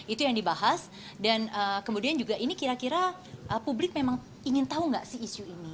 itu yang dibahas dan kemudian juga ini kira kira publik memang ingin tahu nggak sih isu ini